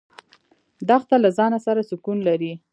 دښته له ځانه سره سکون لري.